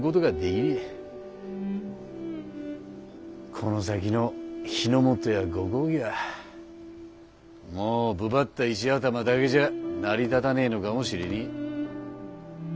この先の日の本やご公儀はもう武張った石頭だけじゃ成り立たねぇのかもしれねぇ。